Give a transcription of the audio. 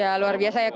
ya luar biasa ya